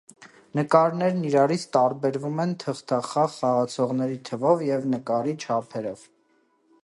Նկարներն իրարից տարբերվում են թղթախաղ խաղացողների թվով և նկարի չափսերով։